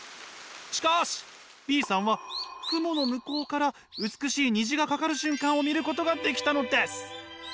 しかしＢさんは雲の向こうから美しい虹がかかる瞬間を見ることができたのです。